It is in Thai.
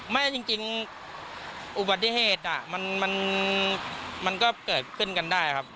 ไม่จริงอุบัติเหตุมันก็เกิดขึ้นกันได้ครับ